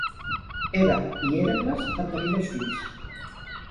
Hebe i Hèracles van tenir dos fills.